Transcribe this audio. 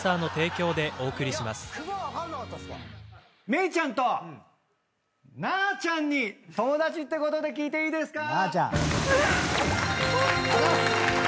芽郁ちゃんとなーちゃんに友達ってことで聞いていいですか？